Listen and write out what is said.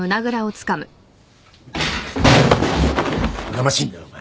やかましいんだよお前。